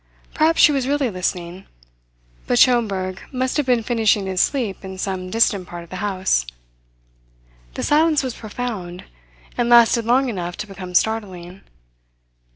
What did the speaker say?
Perhaps she was really listening; but Schomberg must have been finishing his sleep in some distant part of the house. The silence was profound, and lasted long enough to become startling.